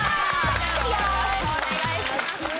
よろしくお願いします。